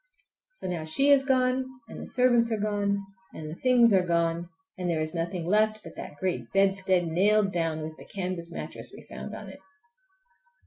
So now she is gone, and the servants are gone, and the things are gone, and there is nothing left but that great bedstead nailed down, with the canvas mattress we found on it.